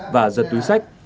và giật túi sách